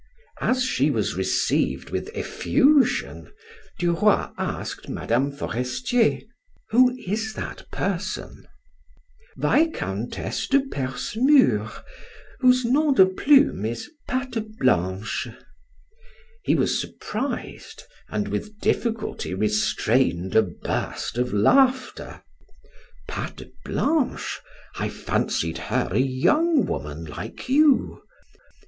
As she was received with effusion, Duroy asked Mme. Forestier: "Who is that person?" "Viscountess de Percemur, whose nom de plume is 'Patte Blanche.'" He was surprised and with difficulty restrained a burst of laughter. "Patte Blanche? I fancied her a young woman like you.